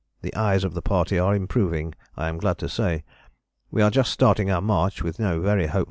The eyes of the party are improving, I am glad to say. We are just starting our march with no very hopeful outlook."